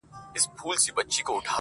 ښه پوهېږمه غمی له ده سره دی,